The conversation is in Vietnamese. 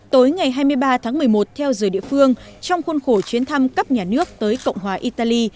tối ngày hai mươi ba tháng một mươi một theo giờ địa phương trong khuôn khổ chuyến thăm cấp nhà nước tới cộng hòa italy